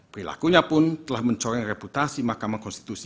perilakunya pun telah mencoreng reputasi mahkamah konstitusi